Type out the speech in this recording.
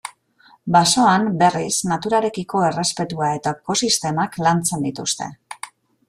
Basoan, berriz, naturarekiko errespetua eta ekosistemak lantzen dituzte.